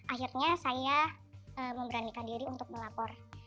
akhirnya saya memberanikan diri untuk melapor